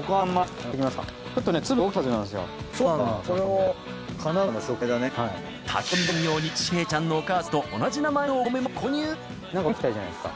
炊き込みごはん用に心平ちゃんのお母さんと同じ名前のお米も購入なんかお肉焼きたいじゃないですか。